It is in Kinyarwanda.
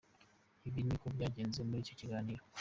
Ibi ni na ko byagenze muri icyo kiganiro.